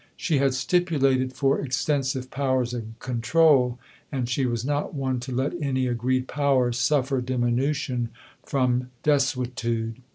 She had stipulated for extensive powers of control, and she was not one to let any agreed powers suffer diminution from desuetude.